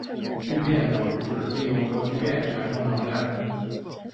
聚变能指利用核聚变产生能量。